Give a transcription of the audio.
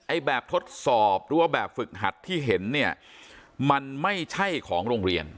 แบบทดสอบหรือว่าแบบฝึกหัดที่เห็นเนี่ยมันไม่ใช่ของโรงเรียน